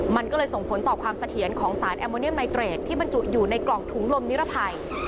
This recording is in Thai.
มันก็เลยส่งผลต่อความเสถียรของสารแอมโมเนียมไนเตรดที่บรรจุอยู่ในกล่องถุงลมนิรภัย